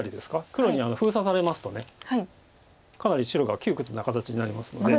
黒に封鎖されますとかなり白が窮屈な形になりますので。